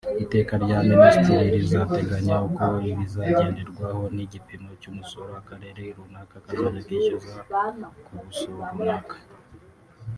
Iteka rya Minisitiri rizateganya uko ibizagenderwaho n’igipimo cy’umusoro akarere runaka kazajya kishyuza ku buso runaka